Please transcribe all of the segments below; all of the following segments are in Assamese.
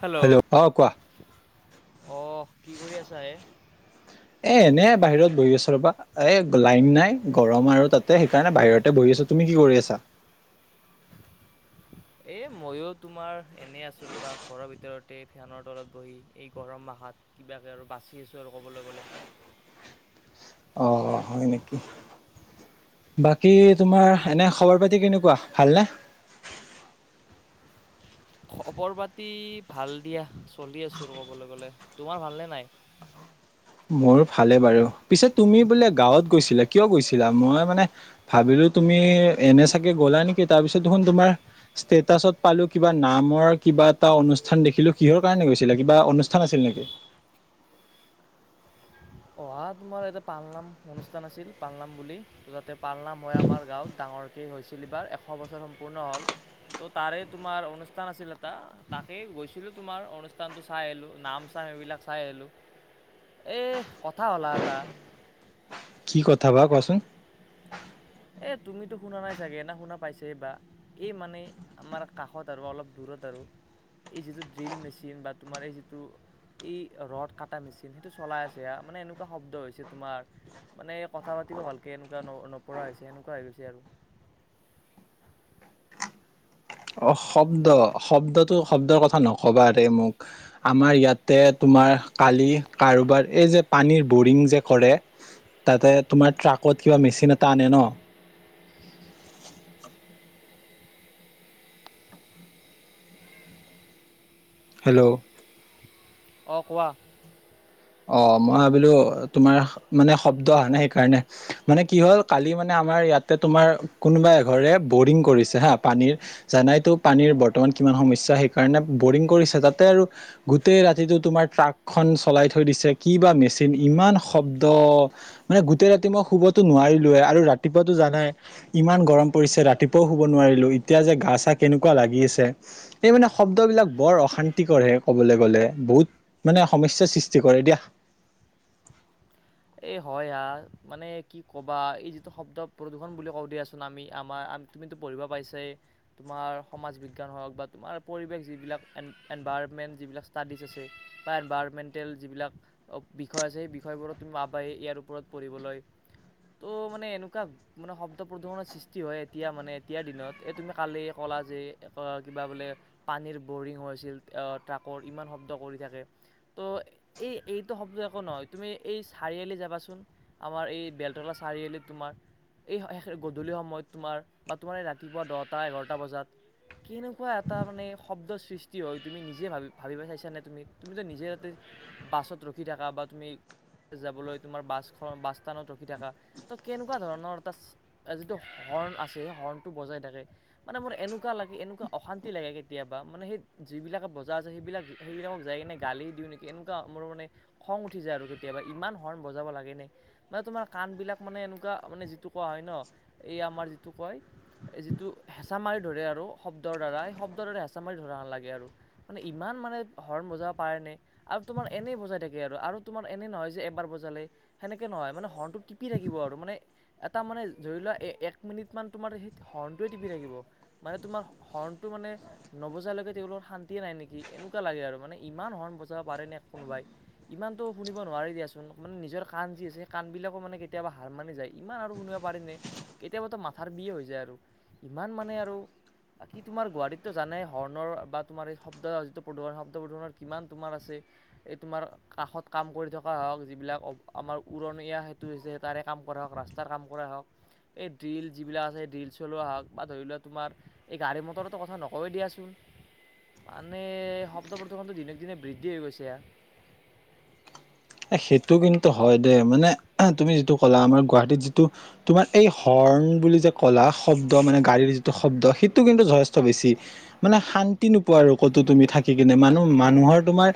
হেল্ল', অ কোৱা অ কি কৰি আছা হে? এ এনে বাহিৰত বহি আছো। ৰবা! এ লাইন নাই গৰম আৰু তাতে সেইকাৰণে বাহিৰতে বহি আছো, তুমি কি কৰি আছা? [inaudible] এ মইও তোমাৰ এনে আছো ৰবা ঘৰৰ ভিতৰতে ফেনৰ তলত বহি এই গৰম মাহ ভাত কিবাকে আৰু বাচি আছোঁ আৰু কবলৈ গলে। অ হয় নেকি? বাকী তোমাৰ এনে খবৰ পাতি কেনেকুৱা ভালনে? [inaudible] খবৰ পাতি ভাল দিয়া চলি আছো কবলৈ গলে তোমাৰ ভালনে নাই। [inaudible] মোৰ ভালে বাৰু। পিছে তুমি বোলে গাঁৱত গৈছিলা কিয় গৈছিলা মই মানে ভাবিল- তুমি এনে চাগে গলা নেকি তাৰপিছত দেখোন তোমাৰ ষ্টেটাচত পালো কিবা নামৰ কিবা এটা অনুষ্ঠান দেখিলো কিহৰ কাৰনে গৈছিলে কিবা অনুষ্ঠান আছিল নেকি? [inaudible] অহা তোমাৰ এটা পালনাম অনুষ্ঠান আছিল পালনাম বুলি তাতে পালনাম হয় আমাৰ গাঁওত ডাঙ- ডাঙৰকেই হৈছিল এইবাৰ এশ বছৰ সম্পূৰ্ণ হ'ল। ত' তাৰে তোমাৰ অনুষ্ঠান আছিল এটা তাকেই গৈছিলো তোমাৰ অনুষ্ঠান টো চাই আহিলো নাম চাম। সেইবিলাক চাই আহিলো এ কথা হ'লা তাৰ কি কথা বা কোৱাচোন? এ তুমিতো শুনা নাই চাগে ন শুনা পাইছে বা, এই মানে আমাৰ কাষত আৰু অলপ দূৰত আৰু এই যিটো ড্ৰিল মেচিন বা তোমাৰ এই যিটো এই ৰদ কাটা মেচিন সেইটো চলাই আছে হা মানে এনেকুৱা শব্দ হৈছে তোমাৰ মানে কথা পাতিব ভালকে এনেকুৱা ন নপৰা হৈছে এনেকুৱা হৈ গৈছে আৰু [inaudible] অ শব্দ শব্দটো শব্দৰ কথা নকবা দে মোক আমাৰ ইয়াতে তোমাৰ কালি কাৰোবাৰ এই যে পানীৰ বৰিং যে কৰে তাতে তোমাৰ ট্ৰাকত কিবা মেচিন এটা আনে ন? [unintelligible] হেল্ল'? অ কোৱা? অ মই ভাবিলো তোমাৰ মানে শব্দ অহা নাই সেইকাৰণে মানে কি হল কালি মানে আমাৰ ইয়াতে তোমাৰ কোনোবা এঘৰে বৰিং কৰিছে হা পানীৰ জানাইতো পানীৰ বৰ্তমান কি কিমান সমস্যা সেইকাৰণে বৰিং কৰিছে, তাতে আৰু গোটেই ৰাতিটো তোমাৰ ট্ৰাকখন চলাই থা থৈ দিছে কি বা মেচিন ইমান শব্দ মানে গোটেই ৰাতি মই শুবতো নোৱাৰিলোৱে আৰু ৰা ৰাতিপুৱাতো জানাই ইমান গৰম পৰিছে ৰাতিপুৱাও শুব নোৱাৰিলো এতিয়া যে গা চা কেনেকুৱা লাগি আছে? এই মানে শব্দবিলাক বৰ অশান্তি কৰেহে ক'বলৈ গলে বহুত মানে সমস্যা সৃষ টি কৰে দিয়া। এ হয় হা, মানে কি ক'বা এই যিটো শব্দ প্ৰদূষণ বুলি কওঁ দিয়াচোন আমি আমাৰ আ তুমিতো পঢ়িব পাইছাই, তোমাৰ সমাজ বিজ্ঞান হওক বা তোমাৰ পৰিৱেশ যিবিলাক এ এনভাৰ মেন যিবিলাক ষ্টাদিছ আছে বা এনভাৰমেণ্টেল যিবিলাক বিষয়ে আছে সেই বিষয়েবোৰত তুমি ৱা বা ইয়াৰ ওপৰত পঢ়িবলৈ ত' মানে এনেকুৱা মানে শব্দ প্ৰদূষনৰ সৃষ্টি হয় এতিয়া মানে এতিয়াৰ দিনত এ তুমি কালি ক লা যে কা কিবা বোলে পানীৰ বৰিং হৈ আছিল, আ ট্ৰাকৰ ইমান শব্দ কৰি থাকে ত' এই এইটো শব্দ একো নহয়। তুমি এই চাৰিআলি যাবাচোন, আমাৰ এই বেলতলা চাৰিআলিত তোমাৰ এই শে- শেষ গধূলি সময়ত তোমাৰ বা তোমাৰ এই ৰাতিপুৱা দহটা -এঘাৰটা বজাত কেনেকুৱা এটা মানে শব্দ সৃষ্টি হয় তুমি নিজে ভাবি ভাবিবা চাইছা নে তুমি তুমিতো নিজে তাতে বাছত ৰখি থাকা বা তুমি যাবলৈ তোমাৰ বাছখন বাছ ষ্টেণ্ডত ৰখি থাকা, ত' কেনেকুৱা ধৰণৰ এটা যিটো হৰ্ণ আছে সেই হৰ্ণটো বজাই থাকে মানে মোৰ এনেকুৱা লাগে এনেকুৱা অশান্তি লাগে কেতিয়াবা মানে সেই যিবিলাক বজায় আছে, সেইবিলাক সেইবিলাকক যাই কিনে গালি দিওঁ নেকি এনেকুৱা মোৰ মানে খং উঠি যায় আৰু কেতিয়াবা ইমান হৰ্ণ বজাব লাগে নে মানে তোমাৰ কাণ বিলাক মানে এনেকুৱা মানে যিটো কোৱা হয় ন এ আমাৰ যিটো কয়। যিটো হেঁচা মাৰি ধৰে আৰু শব্দৰ দ্বাৰা এই শব্দৰ দ্বাৰা হেঁচা মাৰি ধৰা লাগে আৰু মানে ইমান মানে হৰ্ণ বজাব পাৰে নে আৰু তোমাৰ এনে বজাই থাকে আৰু তোমাৰ এনেই নহয় যে একবাৰ বজালে সেনেকে নহয় মানে হৰ্ণটো টিপি থাকিব আৰু মানে এটা মানে ধৰি লোৱা। এ -এক মিনিটমান তোমাৰ হৰ্ণণ্টোৱে টিপি থাকিব, মানে তোমাৰ হৰ্ণটোৱে মানে নবজালৈ তেওঁলোকৰ শান্তিয়ে নাই নেকি এনেকুৱা লাগে আৰু মানে ইমান হৰ্ণ বজাব পাৰে নে কোনোবাই, ইমানটো শুনিব নোৱাৰি দিয়াচোন মানে নিজৰ কাণ যি আছে সেই কাণবিলাকো মানে কেতিয়াবা হাৰ মানি যায়, ইমান আৰু শুনিব পাৰি নে? কেতিয়াবাতো মাথাৰ বি হৈ যায় আৰু ইমান মানে আৰু বাকি তোমাৰ গুৱাহাটীতটো জানাই হৰ্ণৰ বা তোমাৰ এই শব্দ যিটো প্ৰদূষণ শব্দ প্ৰদূষণৰ কিমান তোমাৰ আছে এই তোমাৰ কাষত কাম কৰি থকা হওক, যিবিলাক অ আমাৰ উৰণীয়া সেতু হৈছে তাৰে কাম কৰাই হওক, ৰাস্তাৰ কাম কৰাই হওক এই ড্ৰিল যিবিলাক আছে এই ড্ৰিল চলোৱা হওক বা ধৰি লোৱা তোমাৰ এই গাড়ী মটৰতো কথা নকওয়েই দিয়াচোন। মানে শব্দ প্ৰদূষণ দিনক দিনে বৃদ্ধি হৈ গৈছে। সেইটো কিন্তু হয় দেই মানে তুমি যিটো ক'লা আমাৰ গুৱাহাটীত যিটো তোমাৰ এই হৰ্ণ হন বুলি যে কলা শব্দ মানে গাড়ীৰ যিটো শব্দ সেইটো কিন্তু জয়শটো বেছি মানে শান্তি নোপো আৰু ক'তো তুমি থাকি কিনে মানুহ মানুহৰ তোমাৰ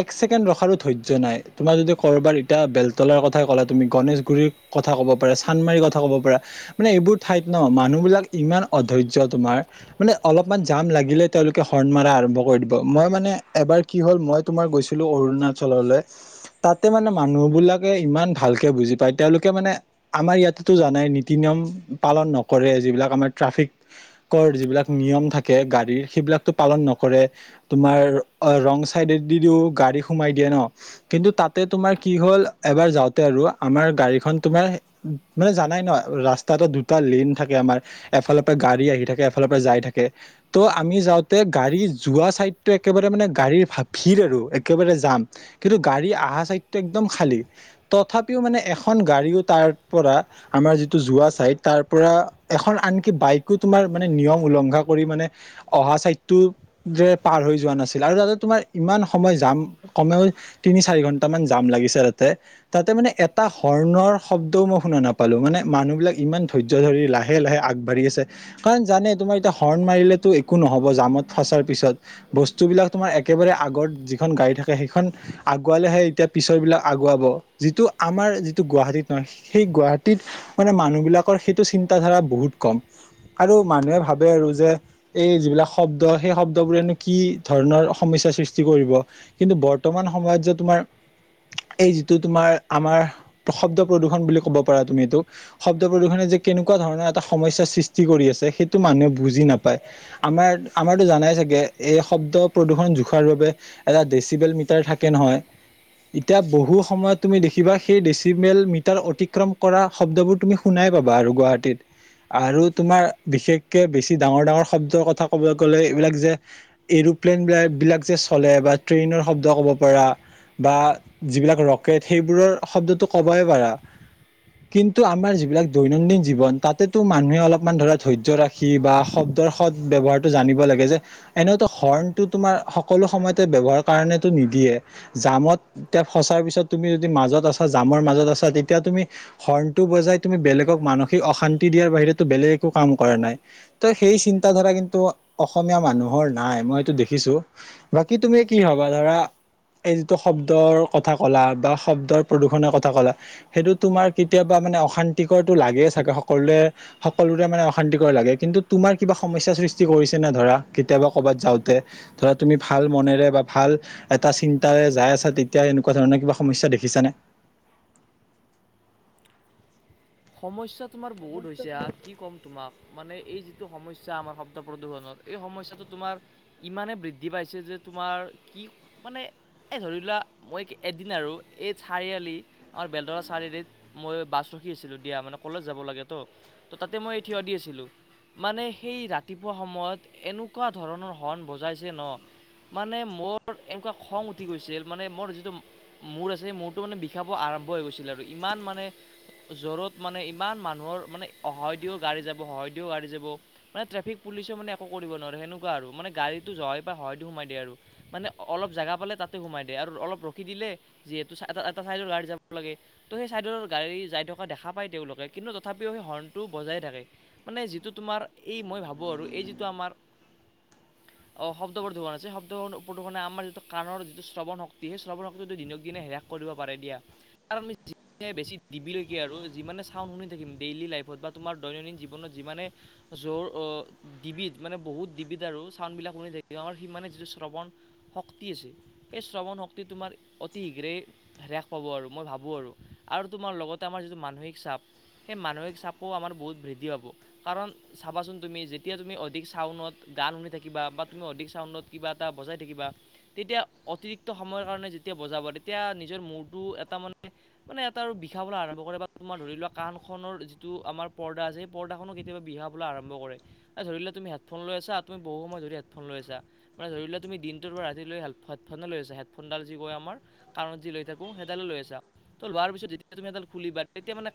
এক ছেকেণ্ড ৰখাৰো ধৈৰ্য্য নাই। তোমাৰ যদি ক'ৰবাৰ এতিয়া বেলতলাৰ কথা কলা তুমি গণেশগুৰিৰ কথা ক'ব পাৰা, চানমাৰীৰ কথা ক'ব পাৰা মানে এইবোৰ ঠাইত ন মানুহবিলাক ইমান অধৰ্য্য তোমাৰ মানে অলপমান জাম লাগিলে তেওঁলোকে হৰ্ণ মাৰা আৰম্ভ কৰি দিব। মই মানে এবাৰ কি হ'ল মই তোমাৰ গৈছিলো অৰুণাচললৈ তাতে মানে মানুহবিলাকে ইমান ভালকে বুজি পায়, তেওঁলোকে মানে আমাৰ ইয়াতেতো জানাই নীতি- নিয়ম উম পালন নকৰে, যিবিলাক আমাৰ ট্ৰাফিক কৰ যিবিলাক নিয়ম থাকে, গাড়ীৰ সেইবিলাকতো পালন নকৰে, তোমাৰ ৰং চাইডে দি দিও গাড়ী সোমাই দিয়ে ন কিন্তু তাত তে তোমাৰ কি হ'ল এবাৰ যাওঁতে আৰু আমাৰ গাড়ীখন তোমাৰ মানে জানাই ন ৰাস্তা দুটা লেণ্ড থাকে আমাৰ এটা ফালৰ পৰা গাড়ী থাকে এটা ফা পৰা যাই থাকে ত আমি যাওঁতে গাড়ী যোৱা ছাইডতটো একেবাৰে মানে গাড়ীৰ ভিৰ আৰু একেবাৰে যাম কিন্তু গাড়ী অহা টো একডম খালি, তথাপিও মানে এখন গাড়ীও তাৰ পৰা আমাৰ যিটো যোৱা চাইড তাৰ পৰা এখন আনকি বাইকো তোমাৰ মানে নিয়ম উলংঘা কৰি মানে অহা চাইডটো। যে পাৰ হৈ যোৱা নাছিল আৰু তাতে তোমাৰ ইমান সময় যাম কমেও তিনি চাৰি ঘন্টা। জাম লাগিছে তাতে তাতে মানে এটা হৰ্ণৰ শব্দও মই শুনা নাপালো মানে মানুহ বিলাক। ইমান ধৈৰ্য ধৰি লাহে লাহে আগবাঢ়ি আছে কাৰণ জানে তোমাৰ এতিয়া হৰ্ণ মাৰিলেতো একো নহব জামত। ফচাৰ পিছত বস্তুবিলাক তোমাৰ একেবাৰে আগত যিখন গাড়ী থাকে সেইখন আগুৱালেহে। এতিয়া পিছৰ বিলাক আগুৱাব যিটো আমাৰ যিটো গুৱাহাটীত নহয় সেই গুৱাহাটীত মানে মানুহ বিলাক। সেইটো চিন্তাধাৰা বহুত কম। আৰু মানুহে ভাবে আৰু যে এই যিবিলাক শব্দ সেই শব্দবোৰেনো কি ধৰণৰ সমস্যা। সৃষ্টি কৰিব কিন্তু বৰ্তমান সময়ত যে তোমাৰ [inaudible] এই যিটো তোমাৰ আমাৰ শব্দ প্ৰদূষণ বুলি ক'ব পাৰা তুমি এইটো শব্দ প্ৰদূষণে যে কে এনেকুৱা ধৰণৰ এটা সমস্যাৰ সৃষ্টি কৰি আছে সেইটো মানুহে বুজি নাপায় আমাৰ আমাৰতো জানাই চাগে। এই শব্দ প্ৰদূৰণ জোখাৰ বাবে এটা ডেচিবেল মিটাৰ থাকে নহয়। এতিয়া বহু সময়ত তুমি দেখিবা সেই ডেচিমেল মিটাৰ অতিক্ৰম কৰা শব্দবোৰ তুমি শুনাই পাবা আৰু গুৱাহাটীত। আৰু তোমাৰ বিশেষকে বেছি ডাঙৰ ডাঙৰ শব্দৰ কথা কবলৈ গ'লে এইবিলাক যে এৰু প্লেন বিলাক যে চলে বা ট্ৰেইনৰ শব্দ ক'ব পাৰা। বা যিবিলাক ৰকেট সেইবোৰৰ শব্দতটো ক'বই পাৰা। কিন্তু আমাৰ যিবিলাক দৈনন্দিন জীৱন তাতেতো মানুহে অলপমান ধৰা ধৈৰ্য্য ৰাখি বা শব্দ। সদ ব্যৱহাৰটো জানিব লাগে যে এনেতো হৰ্ণটো তোমাৰ সকলো সময়তে ব্যৱহাৰৰ কাৰণো। নিদিয়ে। জামত এতি ফচাৰ পিছত তুমি যদি মাজত আছা জামৰ মাজত আছা তেতিয়া তুমি হৰ্ণটো বজাই। তে তুমি বেলেগক মানসিক অশান্তি দিয়াৰ বাহিৰেতটো বেলেগ একো কাম কৰা নাই ত সেই চিন্ত ধাৰা কিন্তু। অসমীয়া মানুহৰ নাই মই এইটো দেখিছো বাকী তুমি কি ভাবা ধৰা। এই যিটো শব্দৰ কথা কলা বা শব্দৰ প্ৰদূৰ্ষণৰ কথা ক'লা সেইটো তোমাৰ কেতিয়াবা মা মানে অশান্তিকৰটো লাগে চাগে সকলোৰে সকলোৰে মানে অশান্তিকৰ লাগে কিন্তু তোমাৰ কিবা সমস্যা সৃষ্টি ধৰা কেতিয়াবা কৰবাত যাওঁতে ধ তুমি ভাল মনেৰে বা ভাল এটা‌ চিন তাৰে যাই আছা তেতিয়া এনেকুৱা ধৰণৰ কিবা সমস্যা দেখিছানে? সমস্যা তোমাৰ বহুত হৈছে আ কি ক'ম তোমাক। মানে এই যিটো সমস্যা আমাৰ শব্দ প্ৰদূষণৰ এই সমস্যাটো তোমাৰ ইমানে বৃদ্ধি পাইছে যে তোমাৰ কি মানে এই ধৰি লোৱা মই এদিন আৰু এই চাৰিআলি বেলতলা চাৰিআলিত মই বাছ ৰখি আছিলো। দিয়া মানে কলেজ যাব লাগে ত তাতে মই থিয় দি আছিলো। মানে সেই ৰাতিপুৱা সময়ত এনেকুৱা ধৰণৰ হৰ্ণ বজাইছে ন মানে মোৰ এনেকুৱা খং উঠি গৈছিল মানে মোৰ যিটো মূৰ আছে মূৰটো মানে বিষাব। আৰম্ভ হৈ গৈছিল আৰু ইমান মানে জৰত মানে ইমান মানুহৰ মানে অহায় দিও গাড়ী যাব সহায় দিও গাড়ী যাব মানে ট্ৰেফিক পুলিচে মানে। কৰিব নোৱাৰে সেনেুৱা আৰু মানে গাড়ীটো জহ হয়হতো সোমাই দিয়ে আৰু মান অল জাগা পালে তাতে সোমাই দিয়ে আৰু অলপ ৰখি দিলে যিহেতু এটা চাইডৰ গাড়ী যাব লাগে ত সেই চাইড গাড়ী যাই থকা দেখা। পায় তেওঁলোকে কিন্তু তথাপিও সেই হৰ্ণটো বজাই থাকে মানে যিটো তোমাৰ এই মই ভাবোঁ আৰু এই যিটো আমাৰ। [inaudible] অ শব্দ প্ৰদূষণ আছে শব্দ প্ৰদূষণে আমাৰ যিটো কাণৰ যিটো শ্ৰৱণ শক্তি সেই শ্ৰৱণ শক্তিটো দিনক দিনে হে কৰিব পাৰে দিয়া [unintelligible] বেছি দিবলৈকে আৰু যিমানে চাউণ্ড শুনি থাকিম ডেইলি লাইফত বা তোমাৰ দৈনন্দিন জীৱনত যিমানে যোৰ ডিবিধ মানে বহুত ডিবিদ আৰু চাউণ্ডবিলাক শুনি থাকি যিটো শ্ৰৱণ শক্তি আছে সেই শ্ৰৱণ শক্তি তোমাৰ অতি শীঘ্ৰেই হ্ৰাস পাব আৰু মই ভাবো আৰু আৰু তোমাৰ লগতে আমাৰ যিটো মানসিক হিচাপ। সেই মানসিক চাপো আমাৰ বহুত বৃদ্ধি পাব কাৰণ চাবাচোন তুমি যেতিয়া তুমি অধিক চাওনত গান শুনি থাকিবা বা তুমি অধিক চাউনত কিবা এটা বজাই থাকিবা তেতিয়া অতিৰিক্ত সময়ৰ কাৰণে যেতিয়া বজাব তেতিয়া নিজৰ মূৰটো এটা মানে মানে এটা আৰু বিষাব আৰম্ভ কৰে। তোমাৰ ধৰি লোৱা কাণ খনৰ যিটো আমাৰ পৰ্দা আছে পৰ্দাখনো কেতিয়াবা বিহাবলে আৰম্ভ কৰে ধৰি লোৱা তুমি হেডফোন লৈছা তুমি বহু সময় ধৰি হেডফোন লৈ আছা মানে ধৰি লোৱা তুমি দিনটো পৰা ৰাতি লৈ হেডফোন লৈ আছা হেডফোনডাল যি কয় আমাৰ কাৰণ যি লৈ থাকো সেইডালো লৈ আছা ত লোৱাৰ পিছত যেতিয়া তুমি এডাল খুলিবা তেতিয়া মানে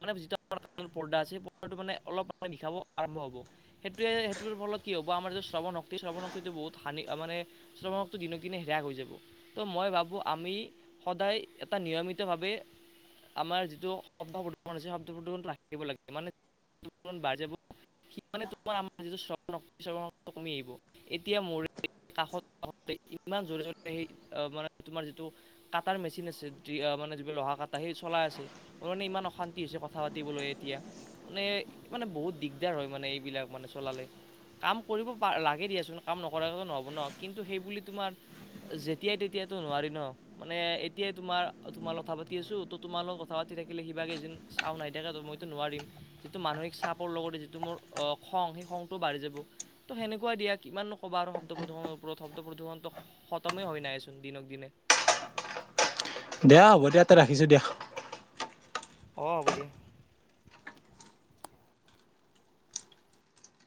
মানে যিটো আমাৰ পৰ্দা আছে পৰ্দাটো মানে অলপ সময় বিখাব আৰম্ভ হ'ব সেইটোৱ সেইটোৰ ফলত কি হ'ব আমাৰ যে শ্ৰৱণ শক্তি শ্ৰৱন শিটো বহুত হানি মানে শ্ৰৱন শক্তি দিনক দিনে হ্ৰাস হৈ যাব। ত' মই ভাবোঁ আমি সদায় এটা নিয়মিতভাৱে আমাৰ যিটো শব্দ প্ৰদূৰণছে শব্দ প্ৰদূষণ ৰাখিব লাগে মানে বাঢ যাব সি তোমাৰ আমাৰ যিটো শ্ৰৱণ শক্তি কমি আহিব এতিয়া মোৰ কাষত ইমান জোৰে জোৰে সেই মানে তোমাৰ যিটো কাটাৰ মেচিন আছে য মানে যিব লহা কাটা সেই চলাই আছে মোৰ মানে ইমান অশান্তি হৈছে কথা পাতিবলৈ এতিয়া মানে মানে বহুত দিগদাৰ হয় মানে এইবিলাক মানে চলালে কাম কৰিব লাগে দিয়াচোন কাম নকৰাকো নহ'ব ন কিন্তু সেই বুলি তোমাৰ যেতিয়া তেতিয়াটো নোৱাৰি ন মানে এতিয়াই তোমাৰ তোমাৰ কথা পাতি আছো ত তোমালোক কথা পাতি থাকিলে সিভাগে যেন ছাউণ্ড নাইথাকে মইতো নোৱাৰিম যিটো মানসিক চাপৰ লগতে যিটো মোৰ খং সেই খংটোও বাঢ়ি যাব তো সেনেকুৱাই দিয় কিমান ক'বা আৰু শব্দ প্ৰদূষণৰ ওপৰত শব্দ প্ৰদূষণটো খতমেই হয় নাহেচোন দিনক দিনে দেয়া হ'ব দেয়া ত ৰাখিছো দিয়া অঁ হ'ব দিয়া।